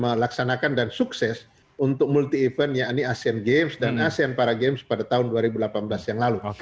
dan lakukan sudah melaksanakan dan sukses untuk multi event yang ini asean games dan asean para games pada tahun dua ribu delapan belas yang lalu